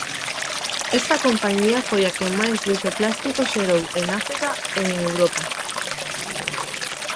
Esta compañía foi a que máis lixo plástico xerou en África e en Europa.